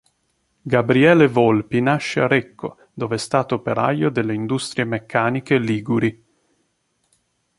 Gabriele Volpi nasce a Recco dove è stato operaio delle Industrie Meccaniche Liguri.